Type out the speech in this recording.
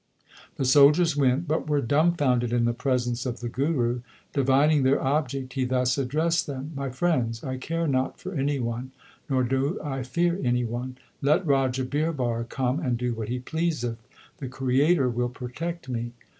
1 The soldiers went, but were dumb founded in the presence of the Guru. Divining their object he thus addressed them : My friends, I care not for any one, nor do I fear any one. Let Raja Birbar come and do what he please th. The Creator will protect me.